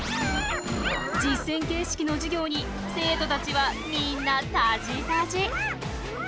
実践形式の授業に生徒たちはみんなたじたじ。